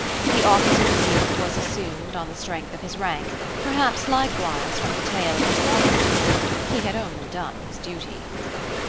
The officer's youth was assumed on the strength of his rank, perhaps likewise from the tale of his modesty: "he had only done his duty".